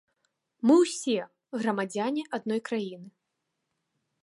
Мы ўсе грамадзяне адной краіны.